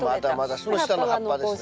その下の葉っぱですね。